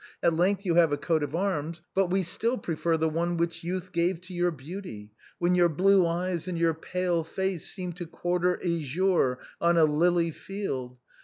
At length you have a coat of arms. But, we still prefer the one which youth gave to your beauty, when your blue eyes and your pale face seemed to quarter azure on a lily field.